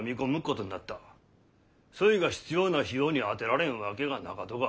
そいが必要な費用に充てられんわけがなかどが。